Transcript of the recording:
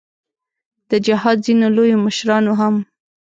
د جهاد ځینو لویو مشرانو هم.